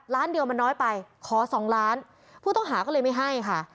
ล้านเดียวมันน้อยไปขอสองล้านผู้ต้องหาก็เลยไม่ให้ค่ะ